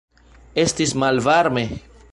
Estis malvarme.